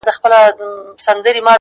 گراني چي ستا سره خبـري كوم،